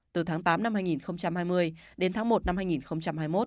từ tháng tám năm hai nghìn hai mươi đến tháng một năm hai nghìn hai mươi một